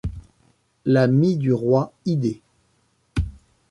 La mye du Roy id.